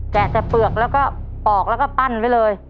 แกะแต่เปลือกแล้วก็ปอกแล้วก็ปั้นไว้เลย